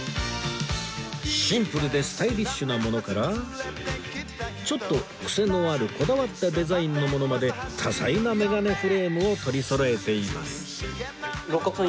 シンプルでスタイリッシュなものからちょっとクセのあるこだわったデザインのものまで多彩なメガネフレームを取りそろえています